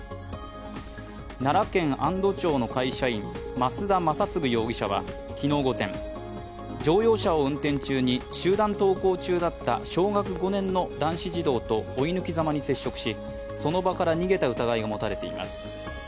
奈良県安堵町の会社員、増田昌嗣容疑者は、昨日午前、乗用車を運転中に集団登校中だった小学５年の男子児童と追い抜きざまに接触し、その場から逃げた疑いが持たれています。